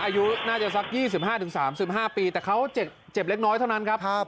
อายุน่าจะสัก๒๕๓๕ปีแต่เขาเจ็บเล็กน้อยเท่านั้นครับ